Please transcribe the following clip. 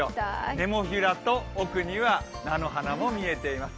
ネモフィラと奥には菜の花が見えています。